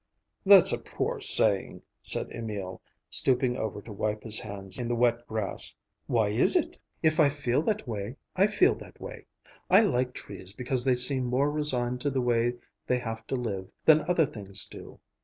"That's a poor saying," said Emil, stooping over to wipe his hands in the wet grass. "Why is it? If I feel that way, I feel that way. I like trees because they seem more resigned to the way they have to live than other things do.